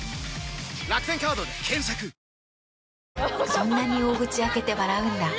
そんなに大口開けて笑うんだ。